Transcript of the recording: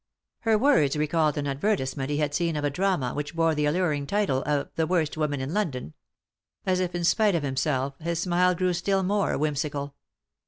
Her words recalled an advertisement he had seen of a drama which bore the alluring title of "The Worst Woman in London." As if in spite of him self, his smile grew still more whimsical.